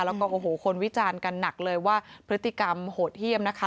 แล้วก็โอ้โหคนวิจารณ์กันหนักเลยว่าพฤติกรรมโหดเยี่ยมนะคะ